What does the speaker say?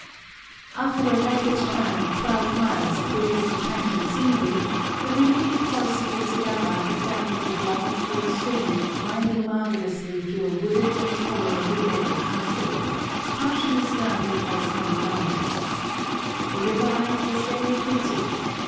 After a rapid run of twelve miles through this enchanting scenery, the remaining course of the Tsugawa is that of a broad, full stream winding marvellously through a wooded and tolerably level country, partially surrounded by snowy mountains. The river life was very pretty.